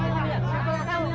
kamu yang ngamil ya